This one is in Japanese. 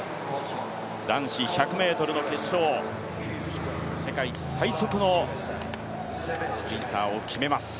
男子１００ｍの決勝、世界最速のスプリンターを決めます。